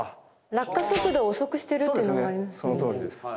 落下速度を遅くしてるっていうのもありますね。